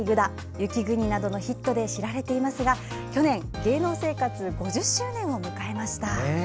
「雪國」などのヒットで知られていますが去年、芸能生活５０周年を迎えました。